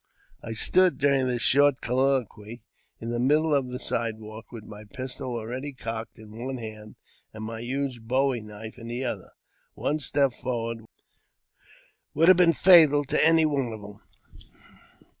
I stood during this short colloquy in the middle of the side walk, with my pistol ready cocked in one hand and my huge bowie knife in the other ; one step forward would have been fatal to any one of them.